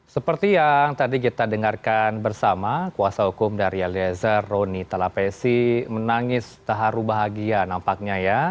seperti yang tadi kita dengarkan bersama kuasa hukum dari eliezer roni talapesi menangis taharu bahagia nampaknya ya